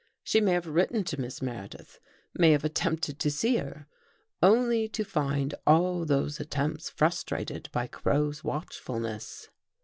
She may have written to Miss Meredith — may have attempted to see her, only to find all those attempts frustrated by Crow's watchful ness.